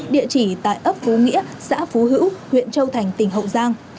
địa chỉ tại ấp phú nghĩa xã phú hữu huyện châu thành tỉnh hậu giang